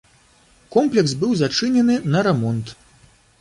Комплекс быў зачынены на рамонт.